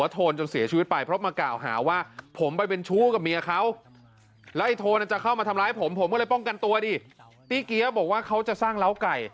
พี่เกี๊ยบบอกว่าเขาจะสร้างเล้าไก่